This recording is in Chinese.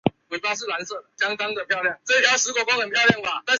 圣谢尔达布扎克。